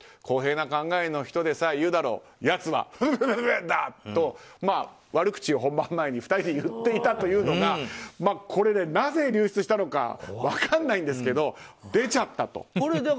公平な考えの人でさえ言うだろうよやつはだと悪口を本番前に２人で言っていたというのがなぜ流出したのか分からないんですけど出ちゃったと。